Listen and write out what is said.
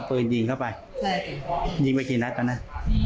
ปืนยิงเข้าไปใช่ยิงไปกี่นัดตอนนั้น